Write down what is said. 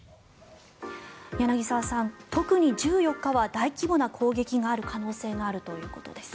柳澤さん、特に１４日は大規模な攻撃がある可能性があるということです。